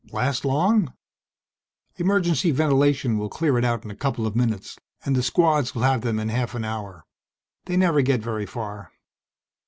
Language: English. "Last long?" "Emergency ventilation will clear it out in a couple of minutes. And the Squads will have them in half an hour. They never get very far."